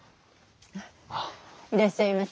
いらっしゃいませ。